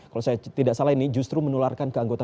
kalau saya tidak salah ini justru menularkan ke anggota